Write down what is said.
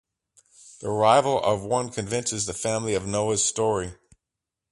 The arrival of one convinces the family of Noah's story.